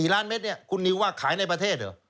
ล้านเม็ดเนี่ยคุณนิวว่าขายในประเทศเหรอ